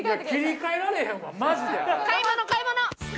買い物買い物！